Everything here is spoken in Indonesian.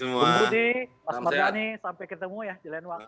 bung budi mas mardani sampai ketemu ya di lain waktu